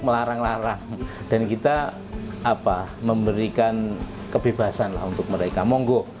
melarang larang dan kita memberikan kebebasan lah untuk mereka monggo